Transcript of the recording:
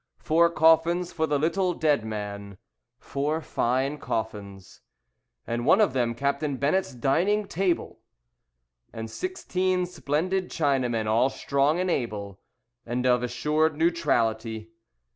Four coffins for the little dead man, Four fine coffins, And one of them Captain Bennett's dining table! And sixteen splendid Chinamen, all strong and able And of assured neutrality.